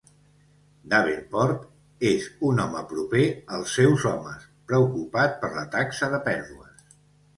Davenport és un home proper als seus homes, preocupat per la taxa de pèrdues.